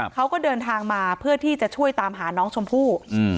เขาก็เดินทางมาเพื่อที่จะช่วยตามหาน้องชมพู่